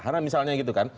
karena misalnya gitu kan